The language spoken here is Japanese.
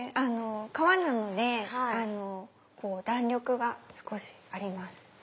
革なので弾力が少しあります。